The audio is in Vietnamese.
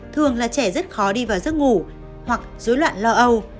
thường là trẻ rất khó đi vào giấc ngủ hoặc dối loạn lo âu